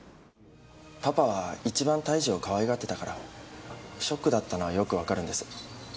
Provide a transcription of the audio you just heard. パパは一番泰次を可愛がってたからショックだったのはよくわかるんです。